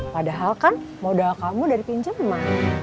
padahal kan modal kamu dari pinjaman